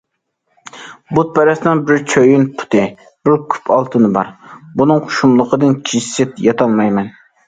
بۇتپەرەسنىڭ بىر چويۇن پۇتى، بىر كۈپ ئالتۇنى بار، بۇنىڭ شۇملۇقىدىن كېچىسى ياتالمايمەن.